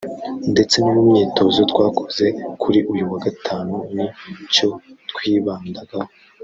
ndetse no mu myitozo twakoze kuri uyu wa gatanu ni cyo twibandagaho